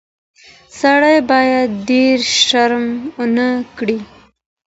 سړی باید ډیر شرم ونه کړي.